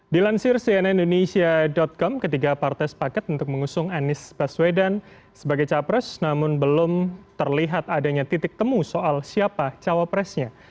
dilansir cnn indonesia com ketiga partai sepakat untuk mengusung anies baswedan sebagai capres namun belum terlihat adanya titik temu soal siapa cawapresnya